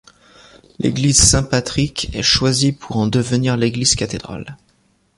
L’église Saint-Patrick est choisie pour en devenir l’église cathédrale.